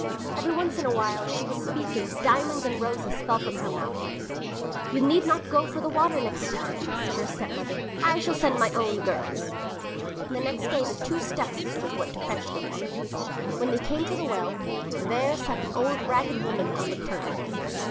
Every once in a while as she was speaking diamonds and roses fell from her mouth. "You need not go for the water the next time," said her stepmother. "I shall send my own girls." The next day the two stepsisters went to fetch the water. When they came to the well, there sat the old ragged woman on the curb.